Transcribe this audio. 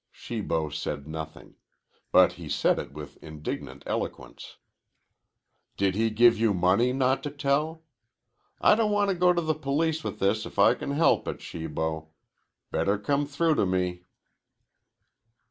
Shibo said nothing, but he said it with indignant eloquence. "Did he give you money not to tell? I don't want to go to the police with this if I can help it, Shibo. Better come through to me."